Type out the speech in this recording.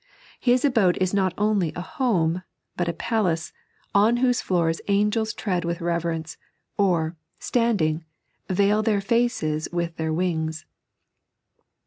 His abode is not only a home, but a palace, on whose floora angels tread with reverence, or, standing, veil their faces with their wings.